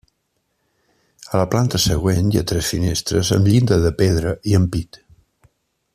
A la planta següent hi ha tres finestres amb llinda de pedra i ampit.